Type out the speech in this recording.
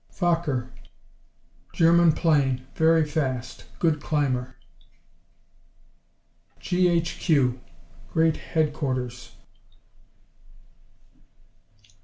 Fokker German plane. Very fast, good climber. G.H.Q. Great Headquarters.